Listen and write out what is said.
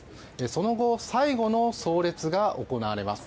その後最後の葬列が行われます。